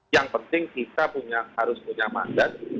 yang penting kita harus punya mandat